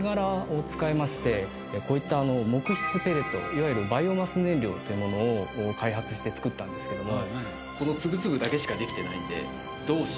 こういった木質ペレットいわゆるバイオマス燃料っていうものを開発して作ったんですけども。